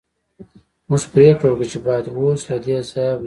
موږ پریکړه وکړه چې باید اوس له دې ځایه لاړ شو